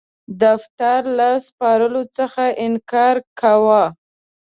دفتر له سپارلو څخه انکار کاوه.